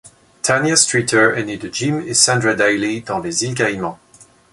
Tanya Streeter est née de Jim et Sandra Dailey dans les Îles Caïmans.